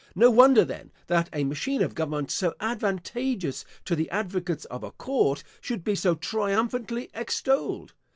No wonder, then, that a machine of government so advantageous to the advocates of a court, should be so triumphantly extolled!